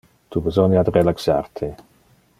Tu besonia de relaxar te.